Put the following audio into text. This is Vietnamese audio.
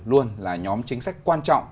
luôn là nhóm chính sách quan trọng